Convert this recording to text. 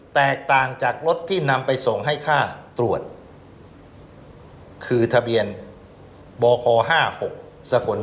แตกต่างจากรถที่นำไปส่งให้ค่าตรวจคือทะเบียนบค๕๖สกล